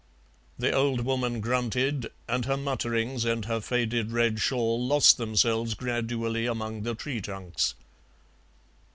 The old woman grunted, and her mutterings and her faded red shawl lost themselves gradually among the tree trunks.